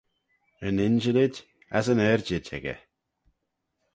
Yn injillid as yn yrjid echey.